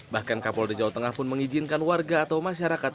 bahkan kapolda jawa tengah pun mengizinkan warga atau masyarakat